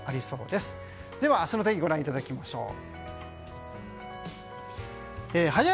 では明日の天気ご覧いただきましょう。